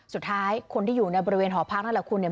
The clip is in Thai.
สุดท้ายคนที่อยู่ในบริเวณหอพักนั่นแหละคุณเนี่ย